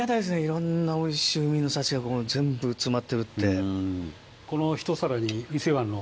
いろんなおいしい海の幸が全部詰まってるって。